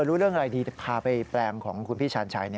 รู้เรื่องอะไรดีแต่พาไปแปลงของคุณพี่ชาญชัย